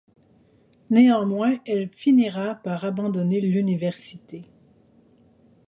Néanmoins, elle finira par abandonner l'université.